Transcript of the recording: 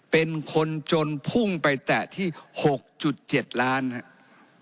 เป็นคนจนพุ่งไปแตะที่๖๗ล้านครับ